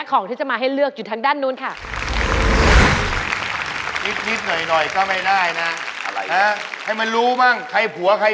บางคนก็จะรู้สึกว่าฮึ๊ยเก๊กว่า